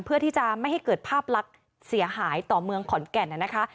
เพื่อที่จะไม่ให้เกิดภาพลักษณ์เสียหายต่อเมืองขอนแก่นนะคะ